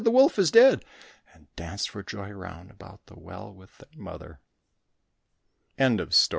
The wolf is dead!" and danced for joy round about the well with their mother.